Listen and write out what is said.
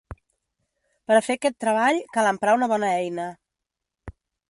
Per a fer aquest treball cal emprar una bona eina.